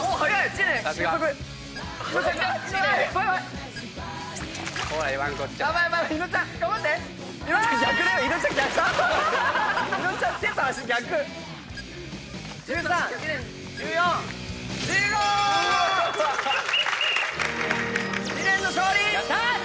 知念の勝利！